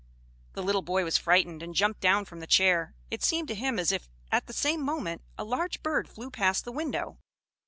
The little boy was frightened, and jumped down from the chair; it seemed to him as if, at the same moment, a large bird flew past the window.